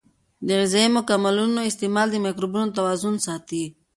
د غذایي مکملونو استعمال د مایکروبونو توازن ساتي.